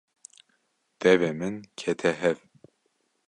Devê min kete hev.